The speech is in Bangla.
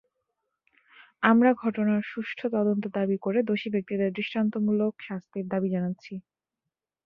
আমরা ঘটনার সুষ্ঠু তদন্ত দাবি করে দোষী ব্যক্তিদের দৃষ্টান্তমূলক শাস্তির দাবি জানাচ্ছি।